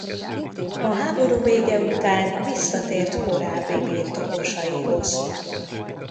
A háború vége után visszatért korábbi birtokosaihoz.